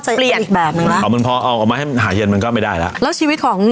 หนาค่ะหนาใช่